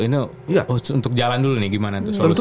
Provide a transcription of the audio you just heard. itu untuk jalan dulu nih gimana tuh solusi